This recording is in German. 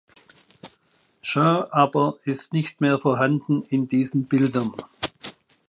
Jean aber ist nicht mehr vorhanden in diesen Bildern.